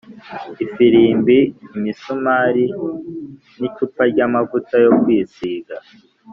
Ifirimbi, imisumari n icupa ry amavuta yo kwisiga